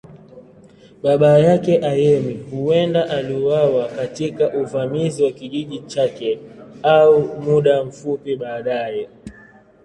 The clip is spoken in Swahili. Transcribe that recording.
Baba yake, Ayemi, huenda aliuawa katika uvamizi wa kijiji chake au muda mfupi baadaye.